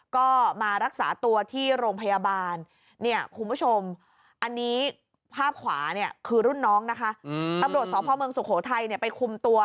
ก็มารักษาตัวที่โรงพยาบาลเนี่ยคุณผู้ชมอันนี้ภาพขวาเนี่ยคือรุ่นน้องนะคะ